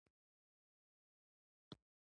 همداسې مې په کراره يوه پښه مخته کوله او بيا بله.